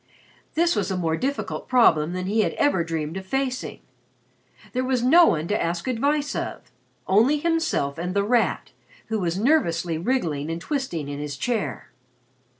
This was a more difficult problem than he had ever dreamed of facing. There was no one to ask advice of. Only himself and The Rat, who was nervously wriggling and twisting in his chair.